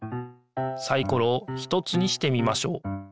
サイコロを１つにしてみましょう。